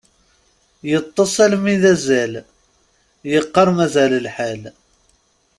Yeṭṭes armi d azal, yeqqar mazal lḥal.